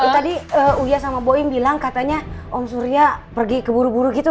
tadi uya sama boeing bilang katanya om surya pergi ke buru buru gitu